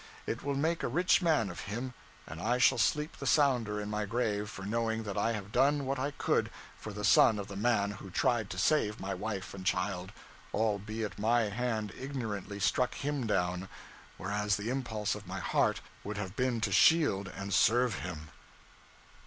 It will make a rich man of him, and I shall sleep the sounder in my grave for knowing that I have done what I could for the son of the man who tried to save my wife and child albeit my hand ignorantly struck him down, whereas the impulse of my heart would have been to shield and serve him.